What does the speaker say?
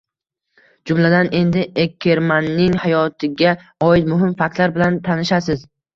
Jumladan, unda Ekkermanning hayotiga oid muhim faktlar bilan tanishasiz